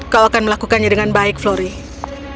kau akan melakukannya dengan baik florie